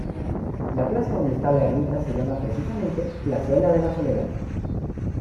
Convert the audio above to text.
La plaza donde está la ermita se llama precisamente "Plazuela de la Soledad".